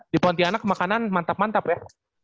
di pontianak makanan mantap mantap ya